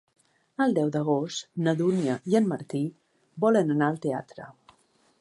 El deu d'agost na Dúnia i en Martí volen anar al teatre.